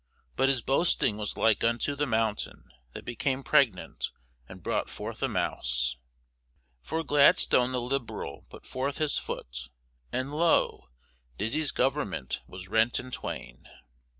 But his boasting was like unto the mountain that became pregnant, and brought forth a mouse. For Gladstone the Liberal put forth his foot, and lo, Dizzy's Government was rent in twain.